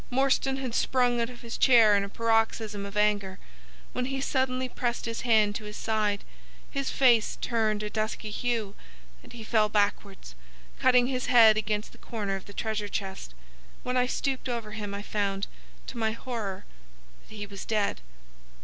Morstan had sprung out of his chair in a paroxysm of anger, when he suddenly pressed his hand to his side, his face turned a dusky hue, and he fell backwards, cutting his head against the corner of the treasure chest. When I stooped over him I found, to my horror, that he was dead.